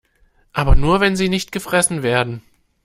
Aber nur, wenn sie nicht gefressen werden.